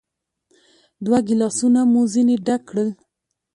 دوه ګیلاسونه مو ځینې ډک کړل.